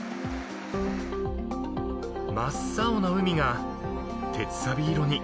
［真っ青な海が鉄さび色に］